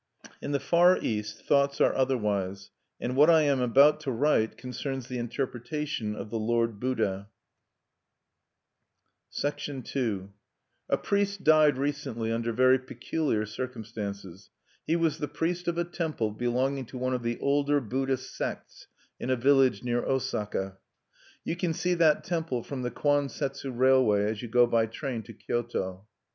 In the Far East thoughts are otherwise; and what I am about to write concerns the interpretation of the Lord Buddha. (1) Herbert Spencer, Principles of Psychology: "The Feelings." II A priest died recently under very peculiar circumstances. He was the priest of a temple, belonging to one of the older Buddhist sects, in a village near Osaka. (You can see that temple from the Kwan Setsu Railway, as you go by train to Kyoto.)